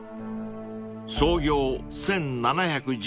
［創業１７１１年］